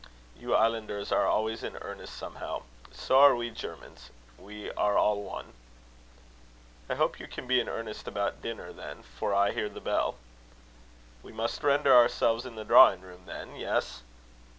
"You islanders are always in earnest somehow. So are we Germans. We are all one." "I hope you can be in earnest about dinner, then, for I hear the bell." "We must render ourselves in the drawing room, then? Yes."